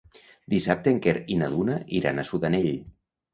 Dissabte en Quer i na Duna iran a Sudanell.